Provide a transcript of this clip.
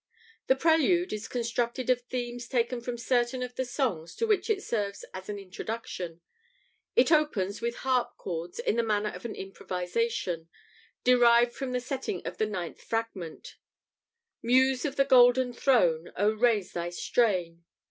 " The Prelude is constructed of themes taken from certain of the songs to which it serves as an introduction. It opens with harp chords, in the manner of an improvisation, derived from the setting of the ninth Fragment: "Muse of the golden throne, O raise thy strain...."